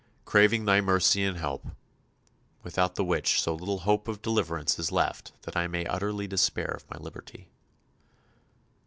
craving Thy mercy and help, without the which so little hope of deliverance is left that I may utterly despair of my liberty."